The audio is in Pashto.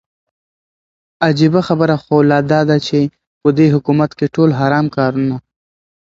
عجيبه خبره خو لا داده چې په دې حكومت كې ټول حرام كارونه